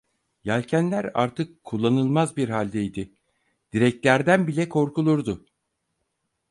Yelkenler artık kullanılmaz bir haldeydi, direklerden bile korkulurdu.